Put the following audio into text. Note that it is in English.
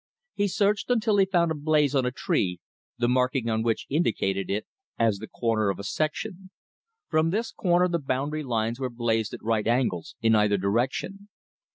He searched until he found a "blaze" on a tree, the marking on which indicated it as the corner of a section. From this corner the boundary lines were blazed at right angles in either direction.